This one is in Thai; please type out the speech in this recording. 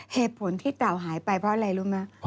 เหตุผลที่เต่าหายไปเพราะอะไรรู้ไหม